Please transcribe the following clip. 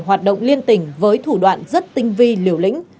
hoạt động liên tỉnh với thủ đoạn rất tinh vi liều lĩnh